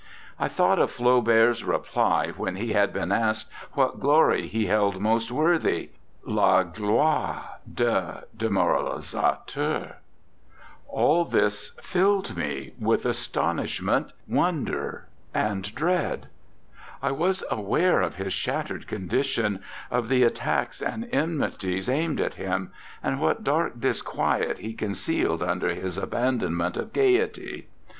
I thought of Flaubert's reply, when he had been asked what glory he held most worthy "La gloire de demoralisateur." All this filled me with astonishment, 44 ANDRE GIDE wonder, and dread. I was aware of his shattered condition, of the attacks and enmities aimed at him, and what dark disquiet he concealed under his aban donment of gaiety.